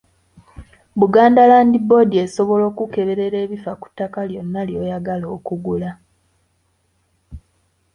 Buganda Land Board esobola okukukeberera ebifa ku ttaka lyonna ly'oyagala okugula.